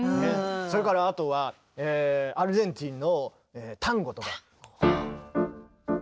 それからあとはアルゼンチンのタンゴとか。